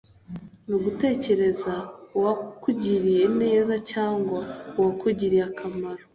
ni ugutekereza uwakugiriye neza cyangwa uwakugiriye akamaro